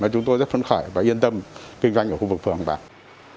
chúng tôi rất phấn khởi và yên tâm kinh doanh ở khu vực phường bạc